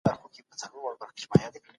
فساد کول بد اخلاقي ده.